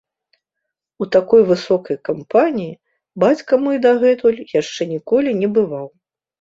У такой высокай кампаніі бацька мой дагэтуль яшчэ ніколі не бываў.